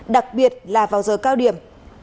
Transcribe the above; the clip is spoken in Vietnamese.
đặc biệt là vào giờ cao điểm